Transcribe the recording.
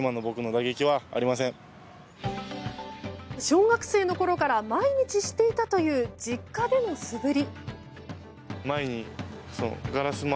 小学生のころから毎日していたという実家での素振り。